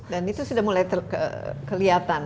dan itu sudah mulai kelihatan